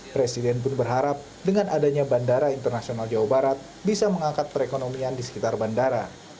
presiden pun berharap dengan adanya bandara internasional jawa barat bisa mengangkat perekonomian di sekitar bandara